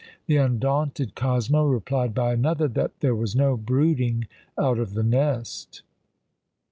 The undaunted Cosmo replied by another, that "There was no brooding out of the nest!"